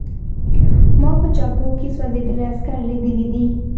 ما په جبهو کې سوځېدلي عسکر لیدلي دي